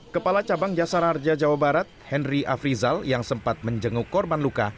kepala cabang jasara harja jawa barat henry afrizal yang sempat menjenguk korban luka